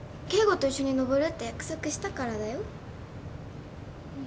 圭吾と一緒にのぼるって約束したからだよ。